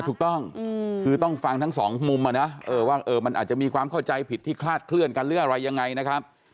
ถูกต้องคือต้องฟังทั้งสองมุมว่ามันอาจจะมีความเข้าใจผิดที่คลาดเคลื่อนกันหรืออะไรยังไงนะครับ